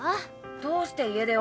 どうして家出を？